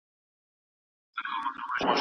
که لامبو ونه ووهئ، د زړو خلکو روغتیا اغېزمنېږي.